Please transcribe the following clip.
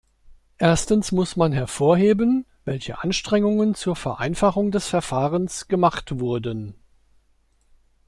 Erstens muss man hervorheben, welche Anstrengungen zur Vereinfachung des Verfahrens gemacht wurden.